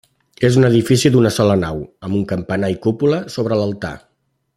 És un edifici d'una sola nau, amb un campanar i cúpula sobre l'altar.